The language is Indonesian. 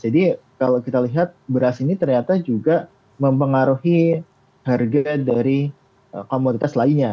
jadi kalau kita lihat beras ini ternyata juga mempengaruhi harga dari komunitas lainnya